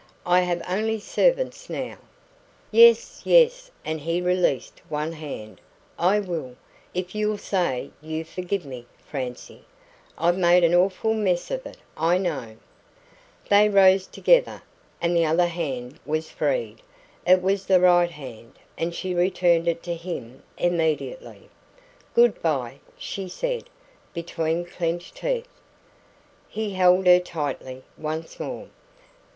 I have only servants now." "Yes, yes" and he released one hand "I will, if you'll say you forgive me, Francie. I've made an awful mess of it, I know " They rose together, and the other hand was freed. It was the right hand, and she returned it to him immediately. "Good bye!" she said, between clenched teeth. He held her tightly once more.